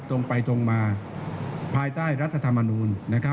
ตรงไปตรงมาภายใต้รัฐธรรมนูล